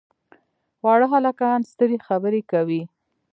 واړه هلکان سترې خبرې کوي.